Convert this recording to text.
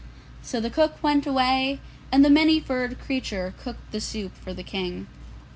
So the cook went away, and the Many furred Creature cooked the soup for the King.